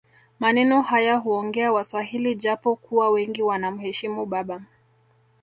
Maneno haya huongea waswahili japo kuwa wengi wanamheshimu baba